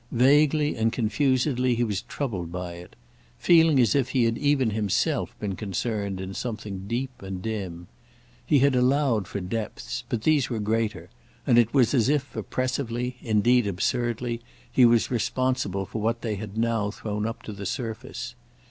Vaguely and confusedly he was troubled by it; feeling as if he had even himself been concerned in something deep and dim. He had allowed for depths, but these were greater: and it was as if, oppressively—indeed absurdly—he was responsible for what they had now thrown up to the surface.